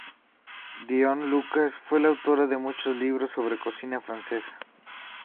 Dione Lucas fue la autora de muchos libros sobre cocina francesa.